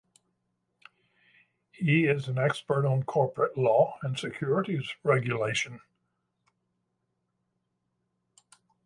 He is an expert on corporate law and securities regulation.